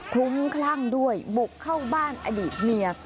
ลุ้มคลั่งด้วยบุกเข้าบ้านอดีตเมีย